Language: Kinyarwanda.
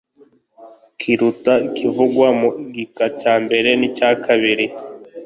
kiruta ikivugwa mu gika cya mbere n icyakabiri